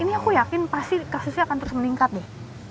ini aku yakin pasti kasusnya akan terus meningkat nih